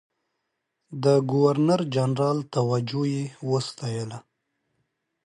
د ګورنرجنرال توجه یې وستایل.